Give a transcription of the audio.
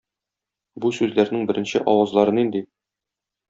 Бу сүзләрнең беренче авазлары нинди?